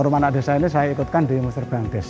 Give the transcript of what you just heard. forum anak desa ini saya ikutkan di muster bandes